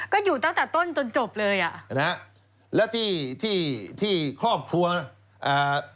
ก็อยู่ตั้งแต่ต้นจนจบเลยอ่ะนะฮะแล้วที่ที่ครอบครัวอ่า